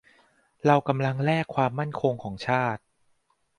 เรากำลังแลกความมั่นคงของชาติ